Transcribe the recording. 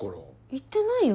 言ってないよ